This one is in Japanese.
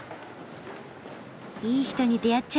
いい人に出会っちゃった。